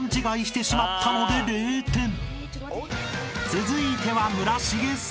［続いては］